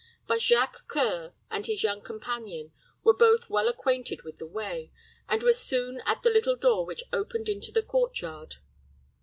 But Jacques C[oe]ur and his young companion were both well acquainted with the way, and were soon at the little door which opened into the court yard.